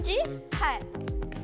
はい。